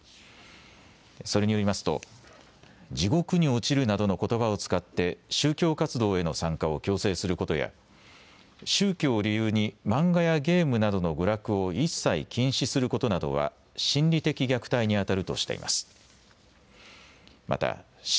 それによりますと地獄に落ちるなどのことばを使って宗教活動への参加を強制することや宗教を理由に漫画やゲームなどの娯楽を一切禁止することなどは心理的虐待にあたるとしています。